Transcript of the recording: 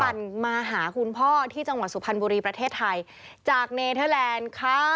มาหาคุณพ่อที่จังหวัดสุพรรณบุรีประเทศไทยจากเนเทอร์แลนด์ค่ะ